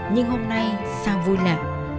nhưng hôm nay sao vui lạ